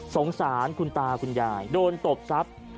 สงสารคุณตาคุณยายโดนตบทรัพย์